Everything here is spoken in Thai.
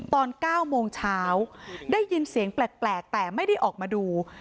ตอน๙โมงเช้าได้ยินเสียงแปลกแต่ไม่ได้ออกมาดู